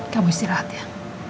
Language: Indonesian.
kamu istirahat ya